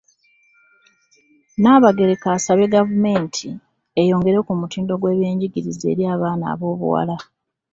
Nnaabagereka asabye gavumenti eyongere ku mutindo gw'ebyenjigiriza eri abaana ab'obuwala.